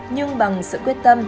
nhưng bằng sự quyết tâm